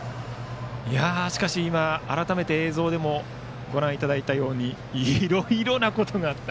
しかし、改めて映像でもご覧いただいたようにいろいろなことがあった。